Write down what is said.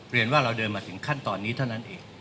เรียนว่าเราเดินมาถึงขั้นตอนนี้เท่านั้นเอง